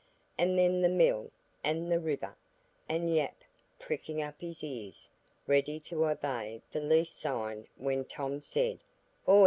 And then the mill, and the river, and Yap pricking up his ears, ready to obey the least sign when Tom said, "Hoigh!"